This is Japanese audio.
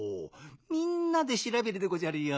みんなでしらべるでごじゃるよ。